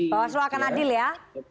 bawaslu akan adil ya